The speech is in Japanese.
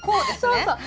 そうそう。